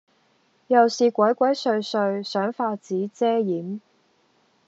又是鬼鬼祟祟，想法子遮掩，